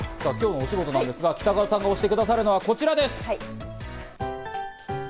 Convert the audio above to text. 今日の推しゴトなんですが、北川さんが推してくださるのはこちらです。